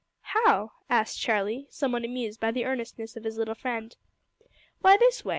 "How?" asked Charlie, somewhat amused by the earnestness of his little friend. "Why, this way.